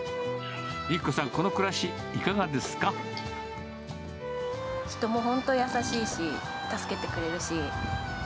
由希子さん、この暮らし、いかが人も本当優しいし、助けてくれるし。